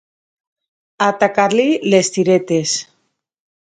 Atacar-li les tiretes.